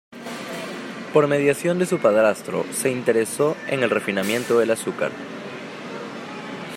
Por mediación de su padrastro, se interesó en el refinamiento del azúcar.